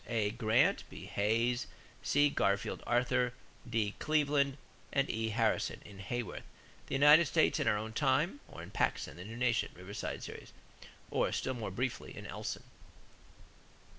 = (a) Grant, (b) Hayes, (c) Garfield Arthur, (d) Cleveland, and (e) Harrison, in Haworth, The United States in Our Own Time, or in Paxson, The New Nation (Riverside Series), or still more briefly in Elson.